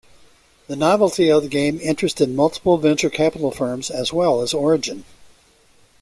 The novelty of the game interested multiple venture capital firms as well as Origin.